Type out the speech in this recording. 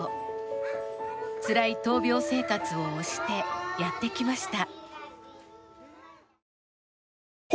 つらい闘病生活を押してやってきました。